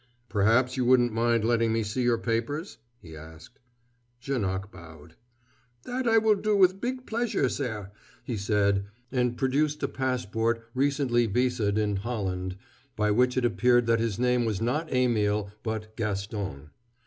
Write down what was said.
"Perhaps you wouldn't mind letting me see your papers?" he asked. Janoc bowed. "That I will do with big pleasure, sare," he said, and produced a passport recently viséd in Holland, by which it appeared that his name was not Émile, but Gaston.